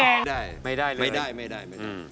ไม่ได้ไม่ได้เลยไม่ได้ไม่ได้